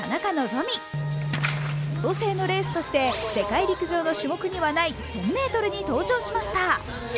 調整のレースとして世界陸上の種目にはない１０００ｍに登場しました。